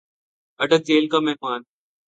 اٹک jail کا مہمان